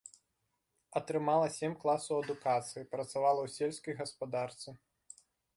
Атрымала сем класаў адукацыі, працавала ў сельскай гаспадарцы.